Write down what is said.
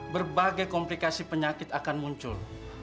berbagai komplikasi penyakit akan muncul